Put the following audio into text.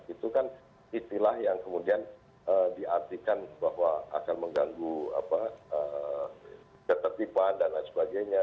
itu kan istilah yang kemudian diartikan bahwa akan mengganggu ketertiban dan lain sebagainya